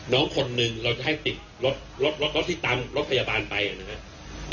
น้องคนหนึ่งเราจะให้ติดรถรถที่ตามรถพยาบาลไปนะครับ